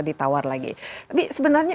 ditawar lagi tapi sebenarnya